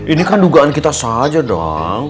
ini kan dugaan kita saja dong